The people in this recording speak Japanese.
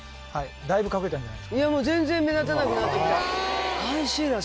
だいぶ隠れたんじゃないですか？